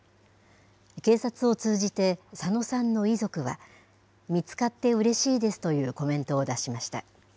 警察を通じて佐野さんの遺族は、見つかってうれしいですというコメントを出しました。